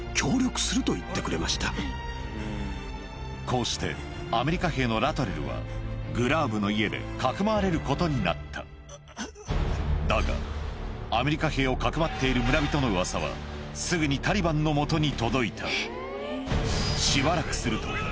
こうしてアメリカ兵のラトレルはグラーブの家でかくまわれることになっただがアメリカ兵をかくまっている村人の噂はすぐにタリバンのもとに届いたしばらくすると銃を持った